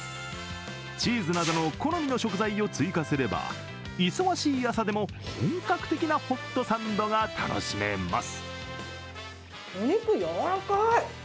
チーズなどの好みの食材を追加すれば忙しい朝でも本格的なホットサンドが楽しめます。